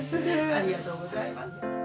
ありがとうございます。